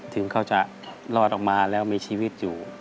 ถึงเขาจะรอดออกมาแล้วมีชีวิตอยู่